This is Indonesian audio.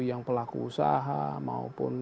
yang pelaku usaha maupun